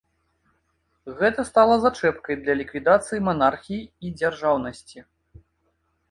Гэта стала зачэпкай для ліквідацыі манархіі і дзяржаўнасці.